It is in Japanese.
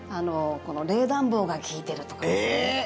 冷暖房が利いてるとかですね